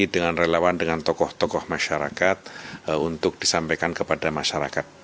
dengan relawan dengan tokoh tokoh masyarakat untuk disampaikan kepada masyarakat